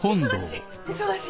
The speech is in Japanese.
忙しい。